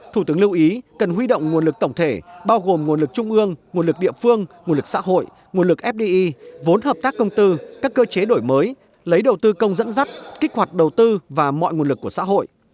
thủ tướng lưu ý cần huy động nguồn lực tổng thể bao gồm nguồn lực trung ương nguồn lực địa phương nguồn lực xã hội nguồn lực fdi vốn hợp tác công tư các cơ chế đổi mới lấy đầu tư công dẫn dắt kích hoạt đầu tư và mọi nguồn lực của xã hội